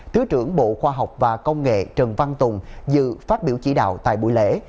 thứ trưởng bộ khoa học và công nghệ trần văn tùng dự phát biểu chỉ đạo tại buổi lễ